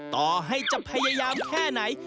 ต่อให้จะพยายามแค่ไหน